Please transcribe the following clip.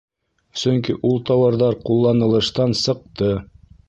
Сөнки ул тауарҙар ҡулланылыштан сыҡты.